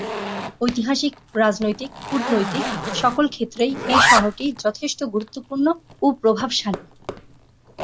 ঐতিহাসিক, রাজনৈতিক, কূটনৈতিক, সকল ক্ষেত্রেই এ শহরটি যথেষ্ট গুরুত্বপূর্ণ ও প্রভাবশালী।